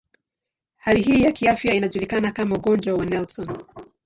Hali hii ya kiafya inajulikana kama ugonjwa wa Nelson.